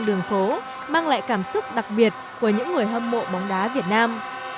đường phố mang lại cảm xúc đặc biệt của những người hâm mộ bóng đá việt nam